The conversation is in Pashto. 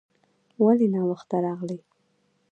ولې ناوخته راغلې ؟